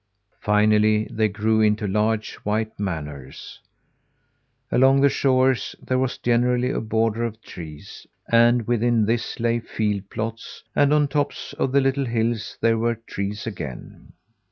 Finally, they grew into large, white manors. Along the shores there was generally a border of trees; and within this lay field plots, and on the tops of the little hills there were trees again.